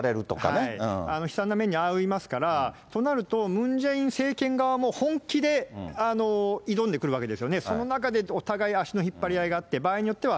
悲惨な目に遭いますから、となると、ムン・ジェイン政権側も本気で挑んでくるわけですよね、その中で、お互い足の引っ張り合いがあって、場合によっては、